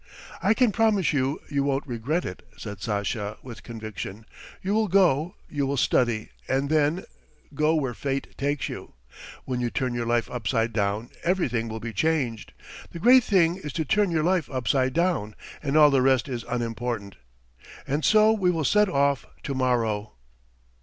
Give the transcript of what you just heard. "I can promise you, you won't regret it," said Sasha, with conviction. "You will go, you will study, and then go where fate takes you. When you turn your life upside down everything will be changed. The great thing is to turn your life upside down, and all the rest is unimportant. And so we will set off to morrow?"